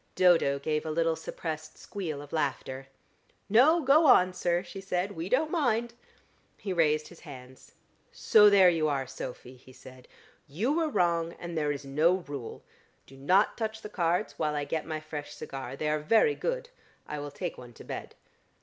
Dodo gave a little suppressed squeal of laughter. "No, go on, sir," she said. "We don't mind." He raised his hands. "So there you are, Sophy!" he said. "You were wrong, and there is no rule. Do not touch the cards, while I get my fresh cigar. They are very good: I will take one to bed."